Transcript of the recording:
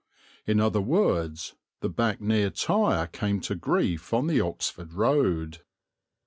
In other words, the back near tire came to grief on the Oxford Road.